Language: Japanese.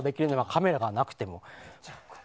カメラがなくても。